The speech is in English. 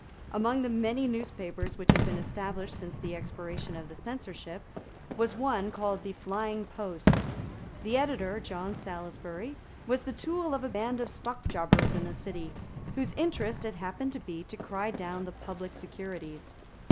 Among the many newspapers which had been established since the expiration of the censorship, was one called the Flying Post. The editor, John Salisbury, was the tool of a band of stockjobbers in the City, whose interest it happened to be to cry down the public securities.